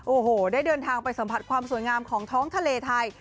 โอ้โหได้เดินทางไปสัมผัสความสวยงามของท้องทะเลไทย